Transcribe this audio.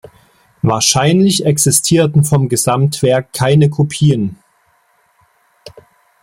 Wahrscheinlich existierten vom Gesamtwerk keine Kopien.